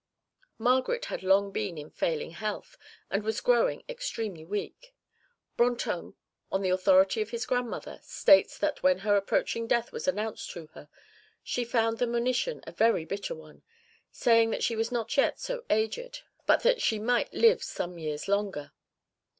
Margaret had long been in failing health and was growing extremely weak. Brantôme, on the authority of his grandmother, states that when her approaching death was announced to her, she found the monition a very bitter one, saying that she was not yet so aged but that she might live some years longer.